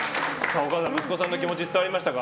お母さん、息子さんの気持ち伝わりましたか？